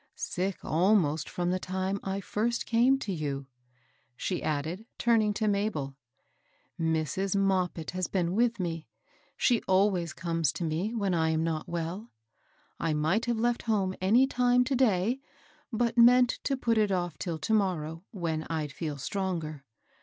Sick almost from the time I first came to you," she added, turning to Mabel. " Mrs. Moppit has been with me. She always comes to me when I am not well. I might have left home any time to day, but meant to put it off till to morrow, when I'd feel stronger.